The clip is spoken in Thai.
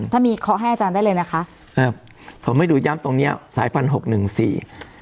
ถ้ามีเคาะให้อาจารย์ได้เลยนะคะครับผมให้ดูย้ำตรงเนี้ยสายพันหกหนึ่งสี่